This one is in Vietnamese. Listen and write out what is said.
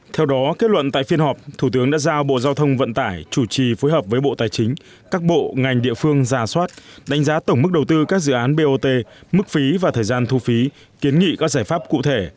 theo đó kết luận tại phiên họp thủ tướng đã giao bộ giao thông vận tải chủ trì phối hợp với bộ tài chính các bộ ngành địa phương ra soát đánh giá tổng mức đầu tư các dự án bot mức phí và thời gian thu phí kiến nghị các giải pháp cụ thể